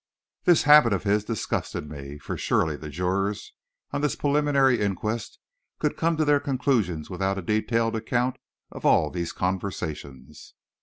This habit of his disgusted me, for surely the jurors on this preliminary inquest could come to their conclusions without a detailed account of all these conversations.